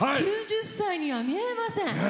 ９０歳には見えません！